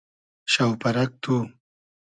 شۆپئرئگ تو